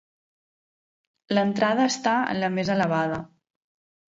L'entrada està en la més elevada.